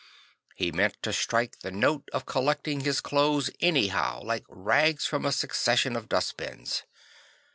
He meant to strike the note of collecting his clothes anyhow, like rags from a succession of dust bins.